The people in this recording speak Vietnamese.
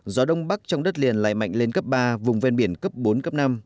gió đông bắc trong đất liền lại mạnh lên cấp ba vùng ven biển cấp bốn cấp năm